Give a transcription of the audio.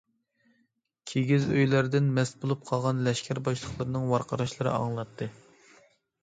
كىگىز ئۆيلەردىن مەست بولۇپ قالغان لەشكەر باشلىقلىرىنىڭ ۋارقىراشلىرى ئاڭلىناتتى.